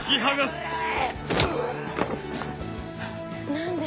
何で。